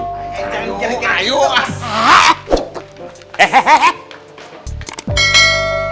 jangan geret gak yuk